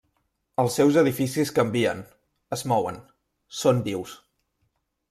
Els seus edificis canvien, es mouen, són vius.